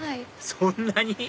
そんなに？